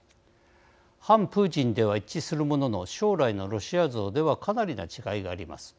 反プーチンでは一致するものの将来のロシア像ではかなりな違いがあります。